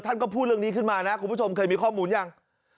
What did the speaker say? ท่านก็พูดเรื่องนี้ขึ้นมานะคุณผู้ชมเคยมีข้อมูลยัง